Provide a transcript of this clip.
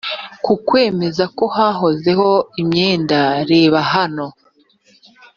ku kwemeza ko hahozeho imyenda reba hano